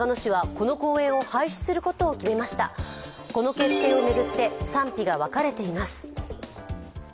この決定を巡って賛否が分かれています。